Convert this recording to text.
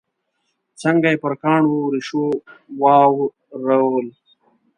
څنګه یې پر کاڼو ریشو واورول.